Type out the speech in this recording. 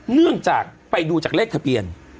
เนื่องจากไปดูจากเลขทะเบียน